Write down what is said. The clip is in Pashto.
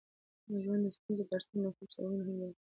ژوند د ستونزو ترڅنګ د خوښۍ سببونه هم لري.